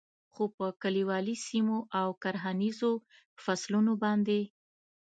خو په کلیوالي سیمو او کرهنیزو فصلونو باندې